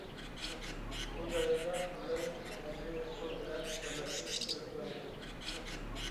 بۇ جەريان پۈتۈنلەي ھەجۋىي ئۇسسۇل بىلەن بىرلەشتۈرۈپ ئېلىپ بېرىلىدۇ.